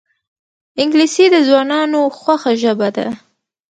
انګلیسي د ځوانانو خوښه ژبه ده